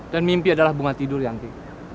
dan mimpi adalah bunga tidur janji